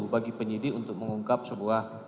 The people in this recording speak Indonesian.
bagi penyidik untuk mengungkap sebuah